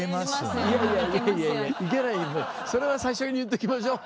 それは最初に言っときましょう！